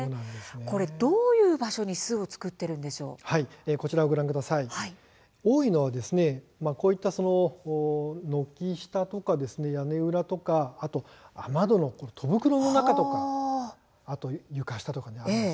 どういう場所に多いのは軒下とか屋根裏とかあとは雨戸の戸袋の中とかあとは床下とかです。